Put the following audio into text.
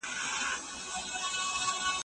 که ته ونه غواړې نو څوک دې نه سي مجبورولی.